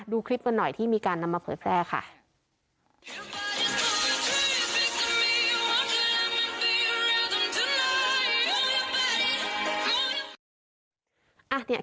ดูคลิปกันหน่อยที่มีการนำมาเผยแพร่ค่ะ